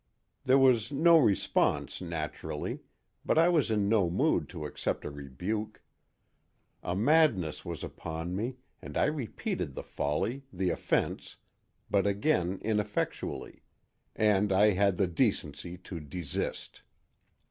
There was no response, naturally, but I was in no mood to accept a rebuke. A madness was upon me and I repeated the folly, the offense, but again ineffectually, and I had the decency to desist.